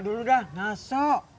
kakak dulu dah ngasok